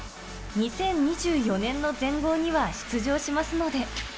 ２０２４年の全豪には出場しますので。